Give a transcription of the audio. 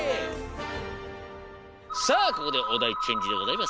さあここでおだいチェンジでございます。